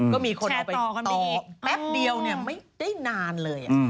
ก็มีคนเอาไปต่อแป๊บเดียวไม่ได้นานเลย